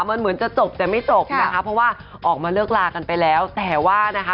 มันเหมือนจะจบแต่ไม่จบนะคะเพราะว่าออกมาเลิกลากันไปแล้วแต่ว่านะคะ